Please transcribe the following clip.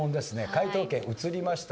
解答権移りました。